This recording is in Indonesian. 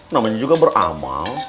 namanya juga beramal